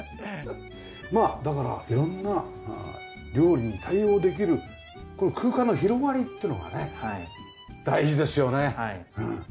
まあだから色んな料理に対応できる空間の広がりっていうのがね大事ですよね。